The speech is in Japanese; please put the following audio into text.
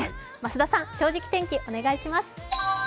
増田さん、「正直天気」お願いします